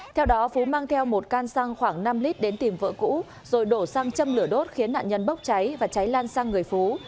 theo đó phú mang theo một can xăng khoảng năm lít đến tìm vợ cũ rồi đổ xăng châm lửa đốt khiến nạn nhân bốc cháy và cháy lan sang người phú